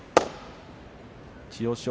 千代翔